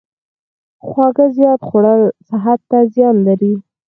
خواږه زیات خوړل صحت ته زیان لري.